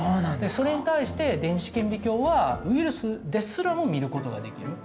それに対して電子顕微鏡はウイルスですらも見ることができる。